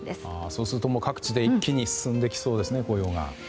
そうすると、各地で一気に進んできそうですね紅葉が。